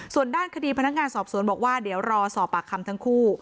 ส่วนด้านคดีพนักงานสอบสวนบอกว่าเดี๋ยวรอสอบปากคำทั้งคู่